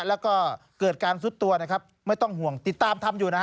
แล้วก็เกิดการซุดตัวนะครับไม่ต้องห่วงติดตามทำอยู่นะฮะ